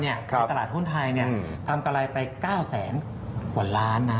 ในตลาดหุ้นไทยทำกำไรไป๙แสนกว่าล้านนะ